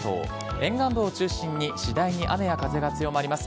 沿岸部を中心に次第に雨や風が強まります。